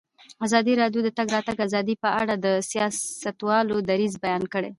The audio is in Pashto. ازادي راډیو د د تګ راتګ ازادي په اړه د سیاستوالو دریځ بیان کړی.